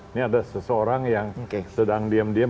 ini ada seseorang yang sedang diem diam